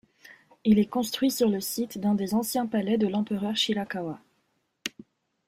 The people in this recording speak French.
Il est construit sur le site d'un des anciens palais de l'empereur Shirakawa.